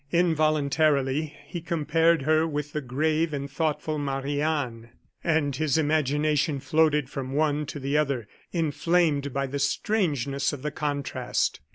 Involuntarily he compared her with the grave and thoughtful Marie Anne, and his imagination floated from one to the other, inflamed by the strangeness of the contrast.